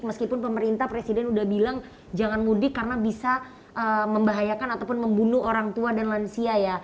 meskipun pemerintah presiden udah bilang jangan mudik karena bisa membahayakan ataupun membunuh orang tua dan lansia ya